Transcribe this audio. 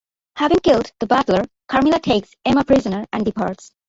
Having killed the butler, Carmilla takes Emma prisoner and departs.